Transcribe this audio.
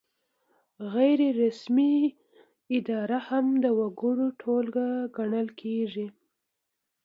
غیر رسمي اداره هم د وګړو ټولګه ګڼل کیږي.